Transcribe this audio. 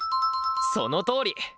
そのとおり！